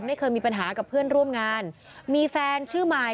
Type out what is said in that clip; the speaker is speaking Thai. ไม่เคยมีปัญหากับเพื่อนร่วมงานมีแฟนชื่อมาย